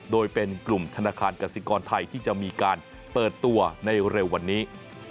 โดยเป็นกลุ่มธนาคารกสิกรไทยที่จะมีการเปิดตัวในเร็ววันนี้